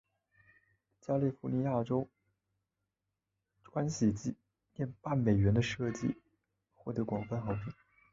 加利福尼亚州钻禧纪念半美元的设计获得广泛好评。